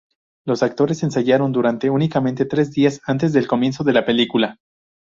Los actores ensayaron durante únicamente tres días antes del comienzo de la película.